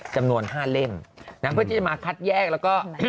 จำนวน๕เล่มนะเพื่อที่จะมาคัดแยกแล้วก็